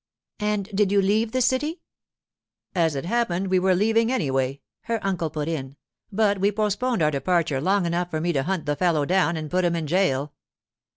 'And did you leave the city?' 'As it happened, we were leaving anyway,' her uncle put in; 'but we postponed our departure long enough for me to hunt the fellow down and put him in jail.